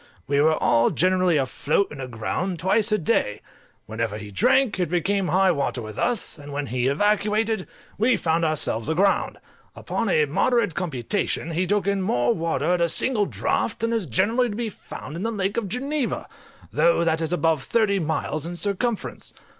We were all generally afloat and aground twice a day; whenever he drank, it became high water with us; and when he evacuated, we found ourselves aground; upon a moderate computation, he took in more water at a single draught than is generally to be found in the Lake of Geneva, though that is above thirty miles in circumference.